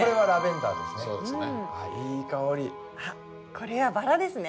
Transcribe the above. これはバラですね。